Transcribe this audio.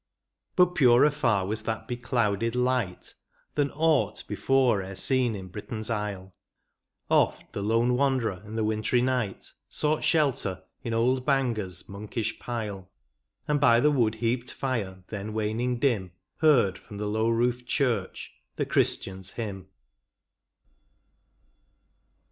But purer far was that beclouded light Than aught before e'er seen in Britain's isle : Oft the lone wanderer in the wintry night Sought shelter in old Bangor's monkish pile. And by the wood heaped fire then waning dim. Heard from the low roofed church the Christian's hymn.